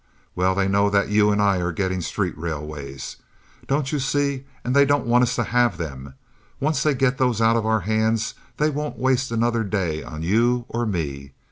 Well they know that you and I are getting street railways, don't you see, and they don't want us to have them. Once they get those out of our hands they won't waste another day on you or me.